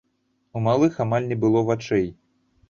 У малых амаль не было вачэй.